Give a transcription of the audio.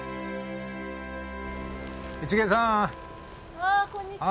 あこんにちは。